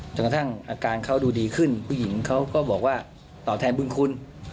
กระทั่งอาการเขาดูดีขึ้นผู้หญิงเขาก็บอกว่าตอบแทนบุญคุณ